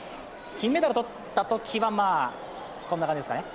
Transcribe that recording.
金メダルとったときはこんな時ですかね？